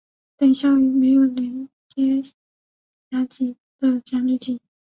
等效于没有连接闸极的闸流体。